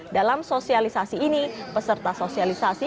dalam sosialisasi ini peserta sosialisasi